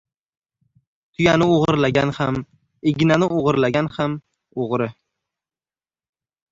• Tuyani o‘g‘irlagan ham, ignani o‘g‘irlagan ham — o‘g‘ri.